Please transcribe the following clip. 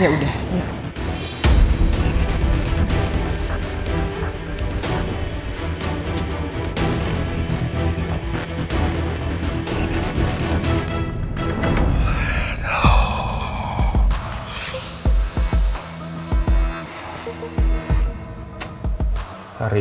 ibu batalin aja ya